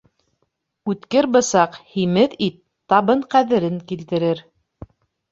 Үткер бысаҡ, һимеҙ ит, табын ҡәҙерен килтерер.